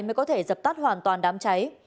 mới có thể dập tắt hoàn toàn đám cháy